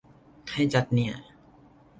ใครจัดเนี่ย ?